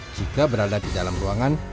jika berada di dalam ruangan